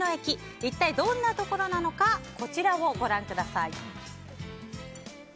一体、どんなところなのかこちらをご覧ください。